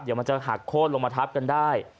เดี๋ยวมันจะหักโค้นลงมาทับกันได้